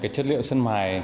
chất liệu sơn mài